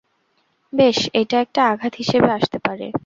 বেশ, এইটা একটা আঘাত হিসেবে আসতে পারে।